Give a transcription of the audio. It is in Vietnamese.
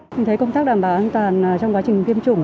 mình thấy công tác đảm bảo an toàn trong quá trình tiêm chủng